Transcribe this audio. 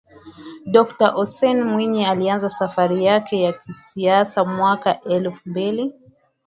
Dokta Hussein Mwinyi alianza safari yake ya kisiasa mwaka elfu mbili